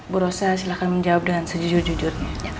bu rosa silahkan menjawab dengan sejujur jujurnya